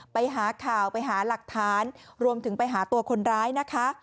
ไปหาข่าวไปหาหลักฐานรวมถึงไปหาตัวคนร้ายนะคะ